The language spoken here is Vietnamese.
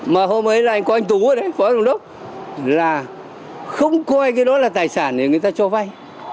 mà hôm ấy là anh quang tú ở đây phó đồng đốc là không coi cái đó là tài sản để người ta cho vay